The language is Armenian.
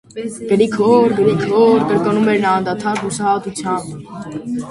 - Գրիգո՜ր, Գրիգո՜ր,- կրկնում էր նա անդադար հուսահատությամբ: